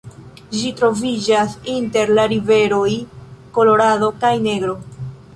Ĝi troviĝas inter la riveroj Kolorado kaj Negro.